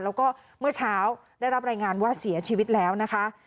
แล้วก็เมื่อเช้าได้รับรายงานว่าเสียชีวิตแล้วนะคะ